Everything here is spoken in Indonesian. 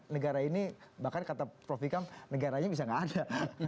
negara ini bahkan kata prof ikam negaranya bisa nggak ada